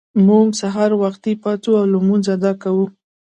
موږ سهار وختي پاڅو او لمونځ ادا کوو